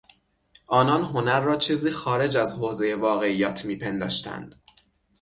آنان هنر را چیزی خارج از حوزهی واقعیات میپنداشتند.